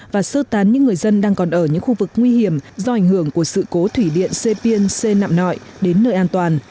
và sơ tán những người dân đang còn ở những khu vực nguy hiểm do ảnh hưởng của sự cố thủy điện sê piên xê nạm nội đến nơi an toàn